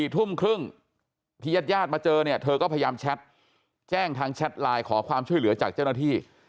ทุ่มครึ่งที่ญาติญาติมาเจอเนี่ยเธอก็พยายามแชทแจ้งทางแชทไลน์ขอความช่วยเหลือจากเจ้าหน้าที่